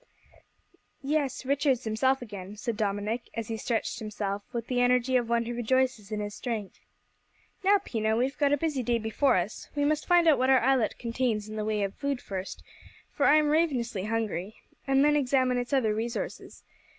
"Yes, Richard's himself again," said Dominick, as he stretched himself with the energy of one who rejoices in his strength. "Now, Pina, we've got a busy day before us. We must find out what our islet contains in the way of food first, for I am ravenously hungry, and then examine its other resources.